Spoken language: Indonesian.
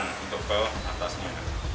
untuk bel atasnya